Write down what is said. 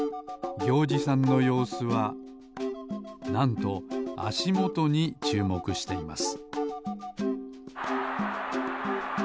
ぎょうじさんのようすはなんとあしもとにちゅうもくしています